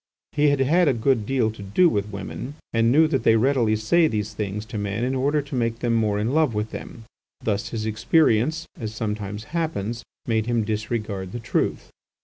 He had had a good deal to do with women and knew that they readily say these things to men in order to make them more in love with them. Thus his experience, as sometimes happens, made him disregard the truth.